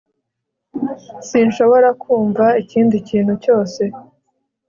sinshobora kumva ikindi kintu cyose